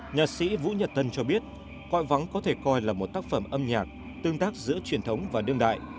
nhạc sĩ vũ nhật tân cho biết cọi vắng có thể coi là một tác phẩm âm nhạc tương tác giữa truyền thống và đương đại